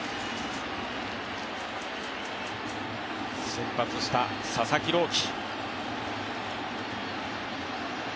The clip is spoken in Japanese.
先発した佐々木朗希。